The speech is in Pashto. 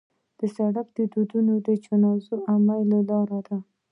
سړک د ودونو، جنازو او میلو لاره ده.